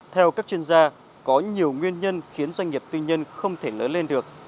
theo các chuyên gia có nhiều nguyên nhân khiến doanh nghiệp tư nhân không thể lớn lên được